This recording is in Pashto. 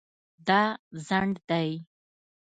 دا ځنډ دی